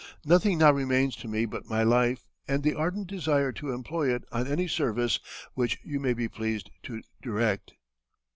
Nothing now remains to me but my life and the ardent desire to employ it on any service which you may be pleased to direct."